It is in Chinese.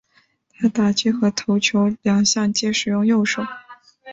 他打击和投球两项皆使用右手。